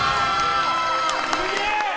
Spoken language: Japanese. すげえ！